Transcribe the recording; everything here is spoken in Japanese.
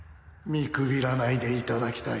見くびらないでいただきたい。